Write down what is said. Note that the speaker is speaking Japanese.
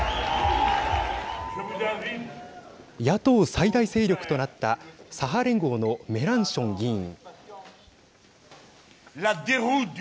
野党最大勢力となった左派連合のメランション議員。